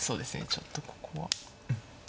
ちょっとここは。